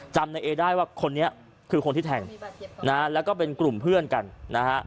จำนายเอได้ว่าคนนี้คือคนที่แทงนะฮะแล้วก็เป็นกลุ่มเพื่อนกันนะฮะ